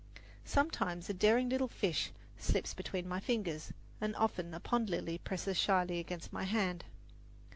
Sometimes a daring little fish slips between my fingers, and often a pond lily presses shyly against my hand.